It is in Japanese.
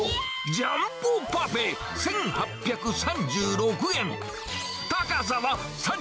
ジャンボパフェ１８３６円。